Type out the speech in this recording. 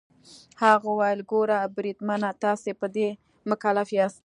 هغه وویل: ګوره بریدمنه، تاسي په دې مکلف یاست.